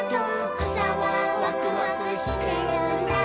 「くさはワクワクしてるんだ」